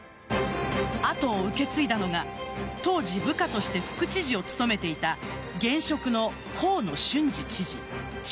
後を受け継いだのが当時、部下として副知事を務めていた現職の河野俊嗣知事。